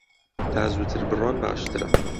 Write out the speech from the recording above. تا زووتر بڕۆن باشترە.